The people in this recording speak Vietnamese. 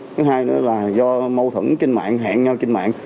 thứ hai nữa là do mâu thuẫn trên mạng hẹn nhau trên mạng